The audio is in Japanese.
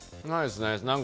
ないですね。